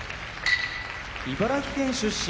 茨城県出身